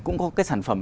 cũng có cái sản phẩm